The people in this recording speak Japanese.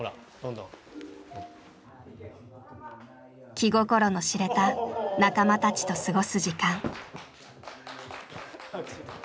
気心の知れた仲間たちと過ごす時間。